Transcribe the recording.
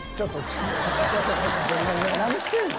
何してんの？